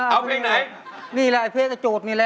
เอาเพลงนี้รอดก่อนเถอะ